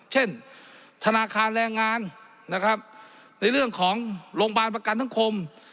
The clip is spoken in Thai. เช่นธนาคารแรงงานนะครับในเรื่องของโรงพยาบาลประกันสังคม